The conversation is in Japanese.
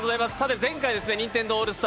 前回、「ニンテンドウオールスター！